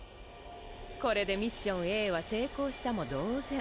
これでミッションＡは成功したも同然。